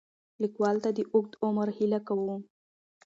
لیکوال ته د اوږد عمر هیله کوو.